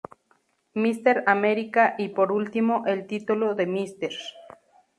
Mister America, y por último, el título de Mr.